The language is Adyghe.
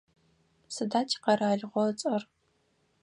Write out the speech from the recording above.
Сыда тикъэралыгъо ыцӏэр?